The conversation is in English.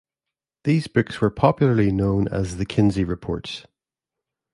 These books were popularly known as the "Kinsey Reports".